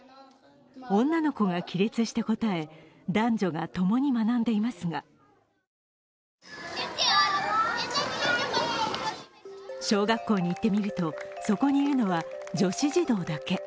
女の子が起立して答え、男女が共に学んでいますが小学校に行ってみるとそこにいるのは女子児童だけ。